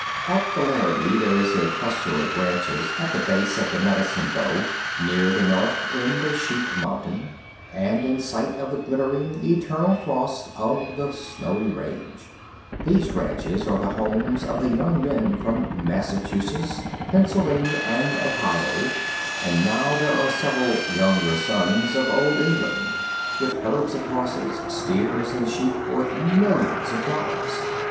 Up the Laramie there is a cluster of ranches at the base of the Medicine Bow, near the north end of Sheep Mountain, and in sight of the glittering, eternal frost of the snowy range. These ranches are the homes of the young men from Massachusetts, Pennsylvania and Ohio, and now there are several "younger sons" of Old England, with herds of horses, steers and sheep, worth millions of dollars.